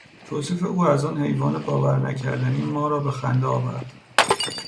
توصیف او از آن حیوان باور نکردنی ما را به خنده آورد.